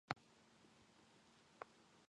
フィリピンの首都はマニラである